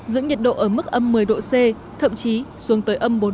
giữ nhiệt độ ở mức âm một mươi độ c thậm chí xuống tới âm bốn mươi độ